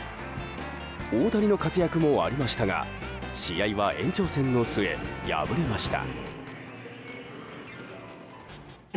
大谷の活躍もありましたが試合は延長戦の末敗れました。